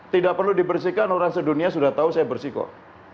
tidak perlu dibersihkan orang sedunia sudah tahu saya bersih kok